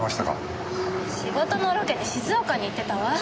仕事のロケで静岡に行ってたわ。